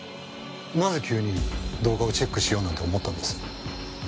なぜ急に動画をチェックしようなんて思ったんです？